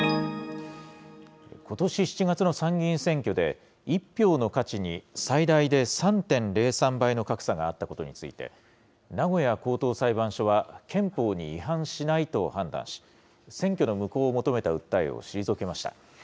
ことし７月の参議院選挙で、１票の価値に最大で３．０３倍の格差があったことについて、名古屋高等裁判所は、憲法に違反しないと判断し、選挙の無効を求めた訴えを退けました。